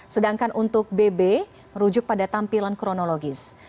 sedangkan untuk bb merujuk pada tampilan kronologis